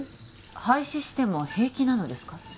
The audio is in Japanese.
廃止しても平気なのですか？